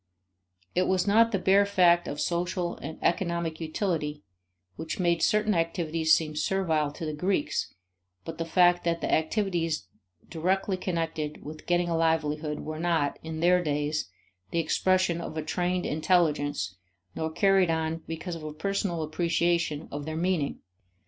It was not the bare fact of social and economic utility which made certain activities seem servile to the Greeks but the fact that the activities directly connected with getting a livelihood were not, in their days, the expression of a trained intelligence nor carried on because of a personal appreciation of their meaning.